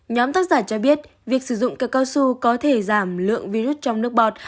nhóm tác giả cho biết việc sử dụng cây cao su có thể giảm lượng virus trong nước bọt